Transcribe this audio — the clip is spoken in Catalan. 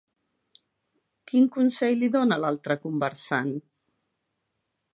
Quin consell li dona l'altre conversant?